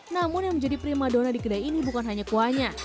namun yang menjadi prima dona di kedai ini bukan hanya kuahnya